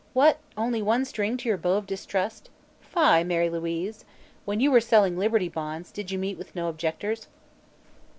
"What, only one string to your bow of distrust? Fie, Mary Louise! When you were selling Liberty Bonds, did you meet with no objectors?"